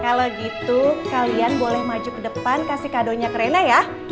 kalau gitu kalian boleh maju ke depan kasih kadonya kerena ya